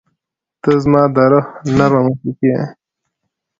• ته زما د روح نرمه موسیقي یې.